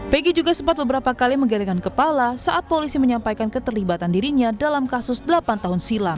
pegi juga sempat beberapa kali menggelekan kepala saat polisi menyampaikan keterlibatan dirinya dalam kasus delapan tahun silam